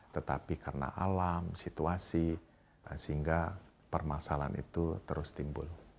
tetapi karena alam situasi sehingga permasalahan itu terus timbul